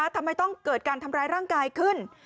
ทำไมต้องเกิดการทำร้ายร่างกายขึ้น